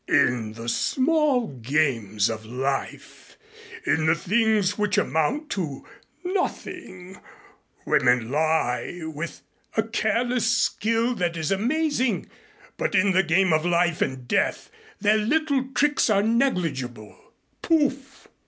"In the small games of life, in the things which amount to nothing, women lie with a careless skill that is amazing, but in a game of life and death, their little tricks are negligible. Pouf!